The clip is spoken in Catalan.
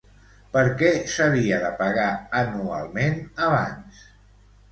Per què s'havia de pagar anualment, abans?